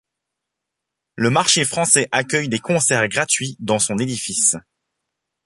Le Marché français accueille des concerts gratuits dans son édifice.